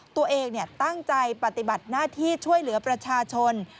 ตัวเองตั้งใจปฏิบัติหน้าที่ช่วยเหลือประชาชน